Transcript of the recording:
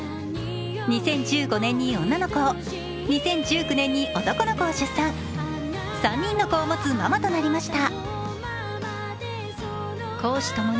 ２０１５年に女の子を、２０１９年に男の子を出産、３人の子を持つママとなりました。